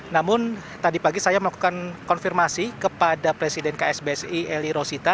namun tadi pagi saya melakukan konfirmasi kepada presiden ksbsi eli rosita